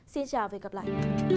xin chào và hẹn gặp lại